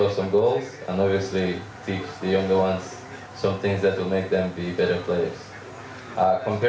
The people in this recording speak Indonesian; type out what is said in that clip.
odemwingie adalah pemain yang bagus sangat berani kuat fisiknya